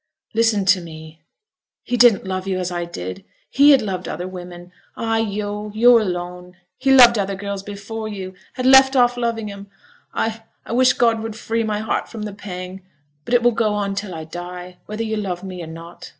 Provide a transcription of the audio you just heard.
'Listen to me. He didn't love yo' as I did. He had loved other women. I, yo' yo' alone. He loved other girls before yo', and had left off loving 'em. I I wish God would free my heart from the pang; but it will go on till I die, whether yo' love me or not.